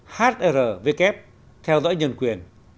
hrwk theo dõi nhân quyền